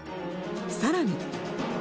さらに。